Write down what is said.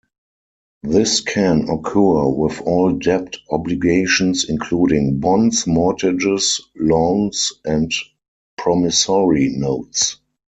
This can occur with all debt obligations including bonds, mortgages, loans, and promissory notes.